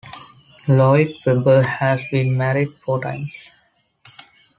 Lloyd Webber has been married four times.